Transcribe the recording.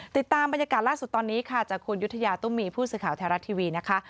ติดตามบรรยากาศล่าสุดตอนนี้ค่ะจากคุณยุธยาตุ้มมีผู้สื่อข่าวไทยรัฐทีวีนะคะ